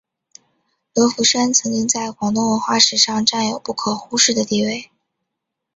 罗浮山曾经在广东文化史上占有不可忽视的地位。